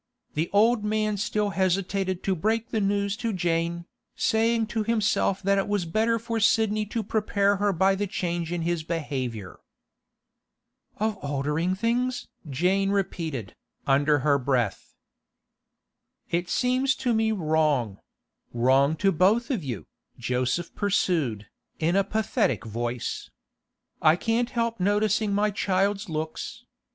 The old man still hesitated to break the news to Jane, saying to himself that it was better for Sidney to prepare her by the change in his behaviour. 'Of altering things?' Jane repeated, under her breath. 'It seems to me wrong—wrong to both of you,' Joseph pursued, in a pathetic voice. 'I can't help noticing my child's looks.